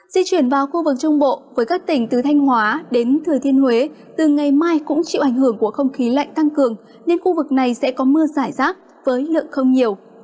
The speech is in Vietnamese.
di chuyển vào khu vực trung bộ với các tỉnh từ thanh hóa đến thừa thiên huế từ ngày mai cũng chịu ảnh hưởng của không khí lạnh tăng cường nên khu vực này sẽ có mưa giải rác với lượng không nhiều